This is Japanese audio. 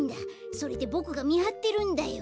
それでボクがみはってるんだよ。